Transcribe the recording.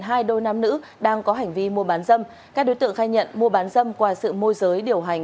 hai đôi nam nữ đang có hành vi mua bán dâm các đối tượng khai nhận mua bán dâm qua sự môi giới điều hành